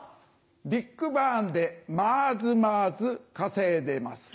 ビッグバンでマーズマーズ稼いでます。